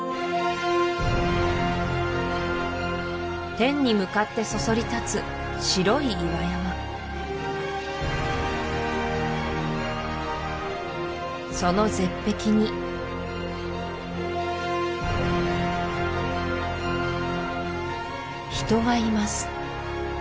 天に向かってそそり立つ白い岩山その絶壁に人がいます